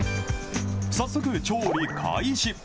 早速、調理開始。